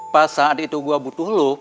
pas saat itu gue butuh lo